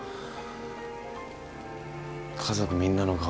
家族みんなの顔